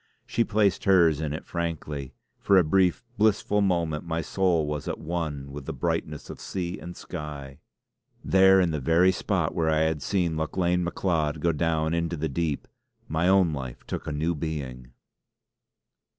She placed hers in it frankly; for a brief, blissful moment my soul was at one with the brightness of sea and sky. There, in the very spot where I had seen Lauchlane Macleod go down into the deep, my own life took a new being.